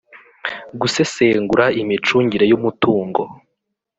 Gusesengura imicungire y umutungo